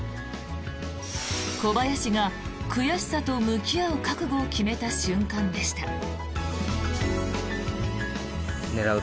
小林が悔しさと向き合う覚悟を決めた瞬間でした。